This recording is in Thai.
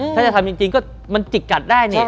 ถ้าจะทำจริงก็มันจิกกัดได้นี่